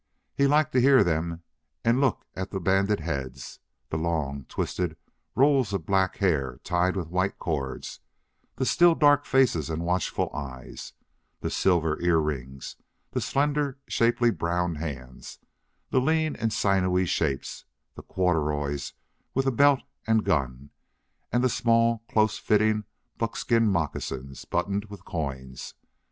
He liked to hear them and to look at the banded heads, the long, twisted rolls of black hair tied with white cords, the still dark faces and watchful eyes, the silver ear rings, the slender, shapely brown hands, the lean and sinewy shapes, the corduroys with a belt and gun, and the small, close fitting buckskin moccasins buttoned with coins.